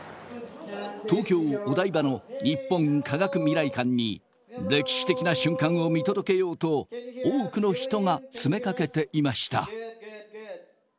東京お台場の日本科学未来館に歴史的な瞬間を見届けようと多くの人が詰めかけていました。